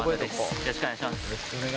よろしくお願いします。